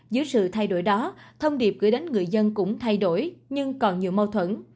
dưới sự thay đổi đó thông điệp gửi đến người dân cũng thay đổi nhưng còn nhiều mâu thuẫn